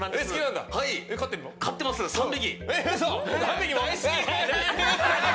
飼ってます、３匹。